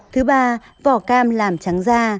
thứ ba vỏ cam làm trắng da